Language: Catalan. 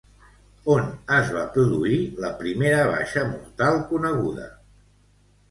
On es va produir la primera baixa mortal coneguda?